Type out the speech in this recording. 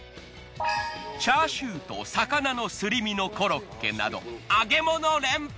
チャーシューと魚のすり身のコロッケなど揚げ物連発。